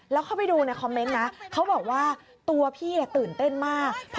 แล้วเข้าไปดูในคอมเมนต์นะเขาบอกว่าตัวพี่ตื่นเต้นมาก